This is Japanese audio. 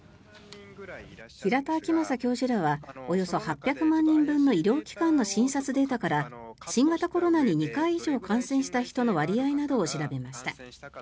平田晃正教授らはおよそ８００万人分の医療機関の診察データから新型コロナに２回以上感染した人の割合などを調べました。